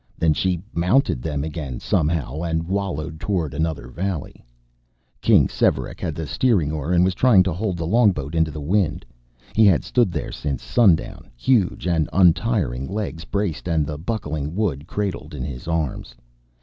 Then she mounted them again, somehow, and wallowed toward another valley. King Svearek had the steering oar and was trying to hold the longboat into the wind. He had stood there since sundown, huge and untiring, legs braced and the bucking wood cradled in his arms.